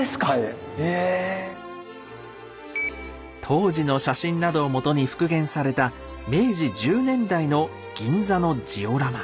当時の写真などをもとに復元された明治１０年代の銀座のジオラマ。